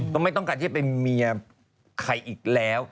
ไม่ต้องการที่จะไปเมียใครอีกแล้ว